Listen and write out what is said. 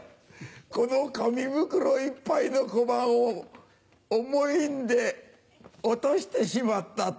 この紙袋いっぱいの小判を重いんで落としてしまったと？